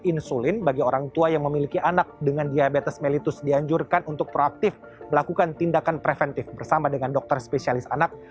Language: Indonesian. insulin bagi orang tua yang memiliki anak dengan diabetes mellitus dianjurkan untuk proaktif melakukan tindakan preventif bersama dengan dokter spesialis anak